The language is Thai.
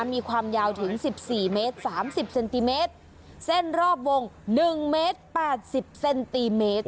มีความยาวถึงสิบสี่เมตรสามสิบเซนติเมตรเส้นรอบวง๑เมตร๘๐เซนติเมตร